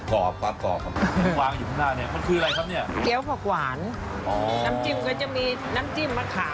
กรอบความกรอบของผักหวานอยู่ข้างหน้า